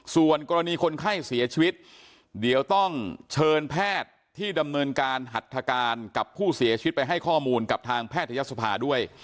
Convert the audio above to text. ส่วนกรณีคนไข้เสียชีวิตเดี๋ยวต้องเชิญแพทย์ที่ดำเนินการหัตถการกับผู้เสียชีวิตไปให้ข้อมูลกับทางแพทยศภาด้วย